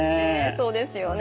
そうですよね。